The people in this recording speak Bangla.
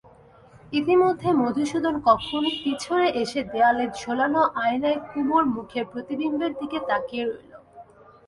ইতিমধ্যে মধুসূদন কখন পিছনে এসে দেয়ালে-ঝোলানো আয়নায় কুমুর মুখের প্রতিবিম্বের দিকে তাকিয়ে রইল।